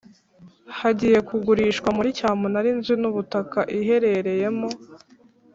hagiye kugurishwa muri cyamunara inzu n’ubutaka iherereyemo